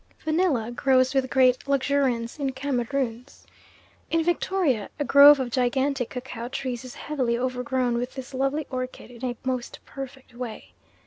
Vanilla grows with great luxuriance in Cameroons. In Victoria a grove of gigantic cacao trees is heavily overgrown with this lovely orchid in a most perfect way.